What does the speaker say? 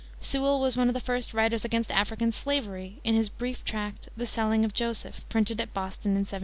Sewall was one of the first writers against African slavery, in his brief tract, The Selling of Joseph, printed at Boston in 1700.